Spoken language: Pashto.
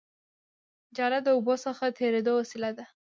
جاله د اوبو څخه تېرېدو وسیله ده